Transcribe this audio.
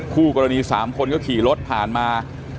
คู่กรณี๓คนก็ขี่รถผ่านมา